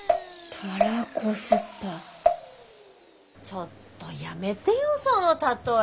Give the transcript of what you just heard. ちょっとやめてよその例え。